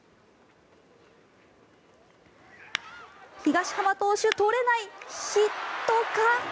東浜投手、とれないヒットか？